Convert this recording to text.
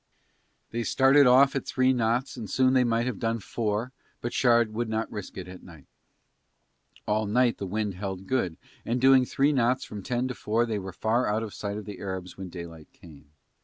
They started off at three knots and soon they might have done four but Shard would not risk it at night. All night the wind held good, and doing three knots from ten to four they were far out of sight of the Arabs when daylight came.